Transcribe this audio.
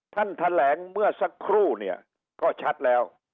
ท่านแถลงเมื่อสักครู่เนี่ยก็ชัดแล้ว